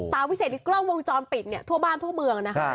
วิเศษในกล้องวงจรปิดเนี่ยทั่วบ้านทั่วเมืองนะคะ